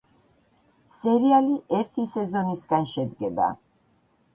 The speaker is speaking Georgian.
სერიალი ერთი სეზონისგან შედგება.